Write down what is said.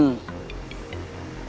saya tidak bisa mencari penyelesaian